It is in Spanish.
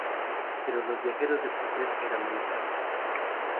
Pero los viajeros de placer eran muy raros.